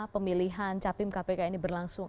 pemilihan capim kpk ini berlangsung